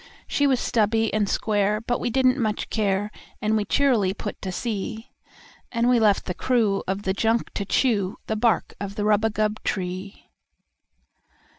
She was stubby and square, but we didn't much care, And we cheerily put to sea; And we left the crew of the junk to chew The bark of the rubagub tree.